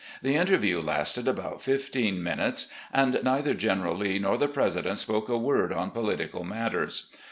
The interview lasted about fifteen minutes, and neither General Lee nor the President spoke a word on political matters.